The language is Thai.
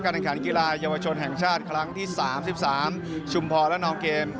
แห่งขันกีฬาเยาวชนแห่งชาติครั้งที่๓๓ชุมพรและนองเกม